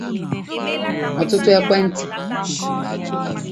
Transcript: ọtụtụ ekwentị